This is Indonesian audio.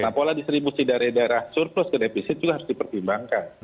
nah pola distribusi dari daerah surplus ke defisit juga harus dipertimbangkan